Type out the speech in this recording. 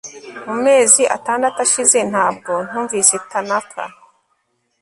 mu mezi atandatu ashize ntabwo numvise tanaka